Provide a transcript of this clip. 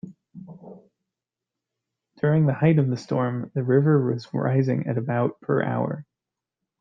During the height of the storm, the river was rising at about per hour.